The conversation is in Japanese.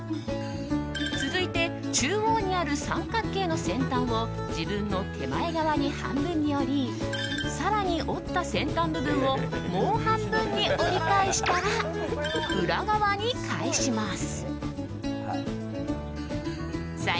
続いて中央にある三角形の先端を自分の手前側に半分に折り更に折った先端部分をもう半分に折り返したら裏側に返します。